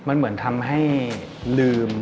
มันเหมือนทำให้ลืม